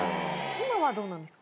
今はどうなんですか？